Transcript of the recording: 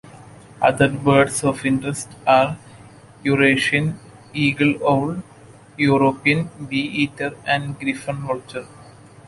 Other birds of interest are Eurasian eagle-owl, European bee-eater and griffon vulture.